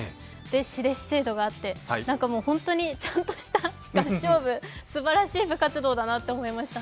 師弟子制度があって本当にちゃんとした合唱部、すばらしいと思いました。